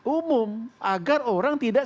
umum agar orang tidak